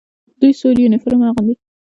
دوی سور یونیفورم اغوندي.